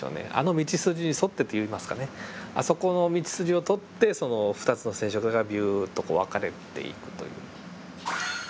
道筋に沿ってと言いますかねあそこの道筋をとってその２つの染色体がビュッとこう分かれていくという。